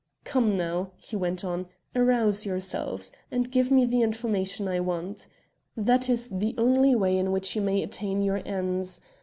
"Come, now," he went on "arouse yourselves; and give me the information I want. That is the only way in which you may attain your ends.